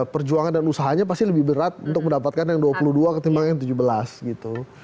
perjuangan dan usahanya pasti lebih berat untuk mendapatkan yang dua puluh dua ketimbang yang tujuh belas gitu